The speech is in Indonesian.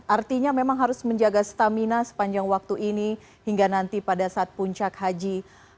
artinya memang harus menjaga stamina sepanjang waktu ini hingga nanti pada saat puncak haji